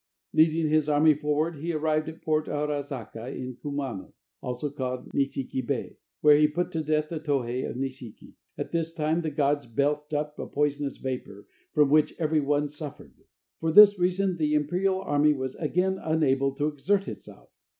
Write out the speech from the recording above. Leading his army forward, he arrived at Port Arazaka in Kumano (also called Nishiki Bay), where he put to death the Tohe of Nishiki. At this time the gods belched up a poisonous vapor, from which every one suffered. For this reason the imperial army was again unable to exert itself.